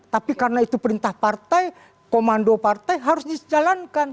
tapi karena itu perintah partai komando partai harus dijalankan